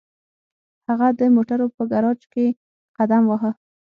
هغه د موټرو په ګراج کې قدم واهه